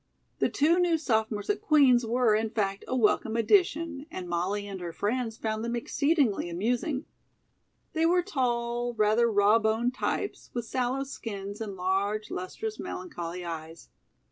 The two new sophomores at Queen's were, in fact, a welcome addition, and Molly and her friends found them exceedingly amusing. They were tall, rather raw boned types, with sallow skins and large, lustrous, melancholy eyes.